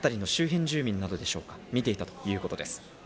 辺りの周辺住民などは見ていたということです。